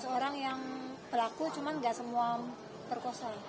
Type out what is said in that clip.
sebelas orang yang pelaku cuman gak semua perkosa